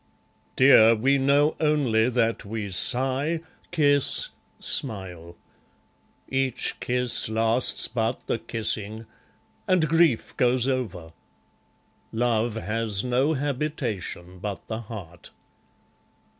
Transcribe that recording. ... Dear, we know only that we sigh, kiss, smile; Each kiss lasts but the kissing; and grief goes over; Love has no habitation but the heart.